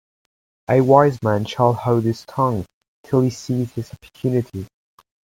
A wise man shall hold his tongue till he sees his opportunity.